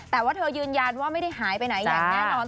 แต่ว่าเธอยืนยันว่าไม่ได้หายไปไหนอย่างแน่นอน